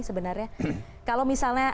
sebenarnya kalau misalnya